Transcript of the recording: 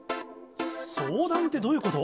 相談ってどういうこと？